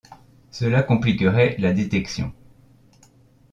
Cela compliquerait la détection.